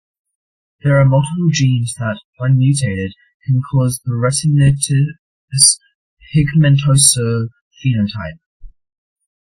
There are multiple genes that, when mutated, can cause the retinitis pigmentosa phenotype.